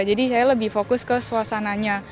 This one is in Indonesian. jadi saya lebih fokus ke suasananya